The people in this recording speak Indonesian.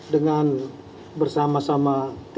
dengan bersama sama tni